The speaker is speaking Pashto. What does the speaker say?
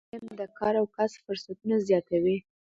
علم د کار او کسب فرصتونه زیاتوي.